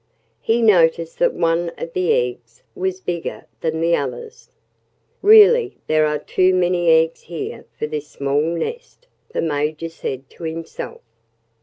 He noticed that one of the eggs was bigger than the others. "Really there are too many eggs here for this small nest," the Major said to himself.